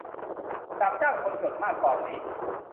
อยากจ้างคนจด มากตอนนี้